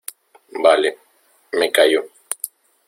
vale, me callo.